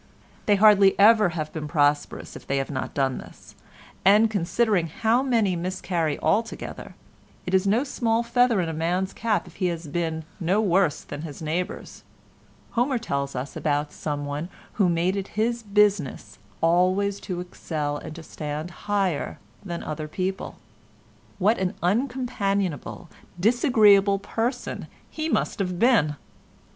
They hardly ever have been prosperous if they have not done this, and, considering how many miscarry altogether, it is no small feather in a man's cap if he has been no worse than his neighbours. Homer tells us about some one who made it his business αιεν αριστευειν και υπειροχον εμμεναι αλλων—always to excel and to stand higher than other people. What an uncompanionable disagreeable person he must have been!